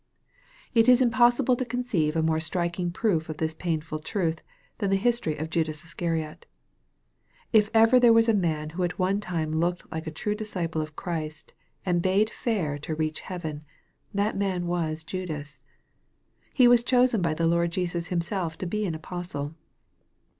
It is impossible to conceive a more striking proof of this painful truth, than the history of Judas Iscariot. If ever there was a man who at one time looked like a true disci pie of Christ, and bade fair to reach heaven, that man was Judas. He was chosen by the Lord Jesus Himself to be an apostle.